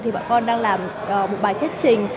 thì bọn con đang làm một bài thiết trình